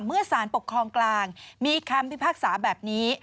เมื่อสารปกครองกลางมีคำพิพากษาแบบนี้